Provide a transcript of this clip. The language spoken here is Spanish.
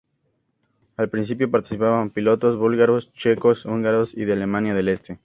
Al principio participaban pilotos búlgaros, checos, húngaros y de Alemania del Este.